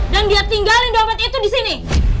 dan dia tinggalin dompet itu disini